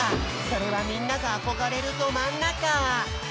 それはみんながあこがれるドまんなか！